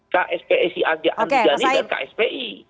ksp si aga andijani dan kspi